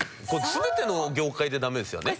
全ての業界でダメですよね？